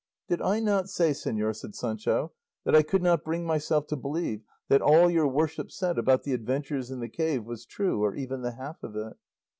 "Did I not say, señor," said Sancho, "that I could not bring myself to believe that all your worship said about the adventures in the cave was true, or even the half of it?"